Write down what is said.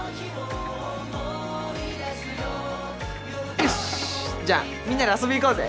よしじゃあみんなで遊びに行こうぜ。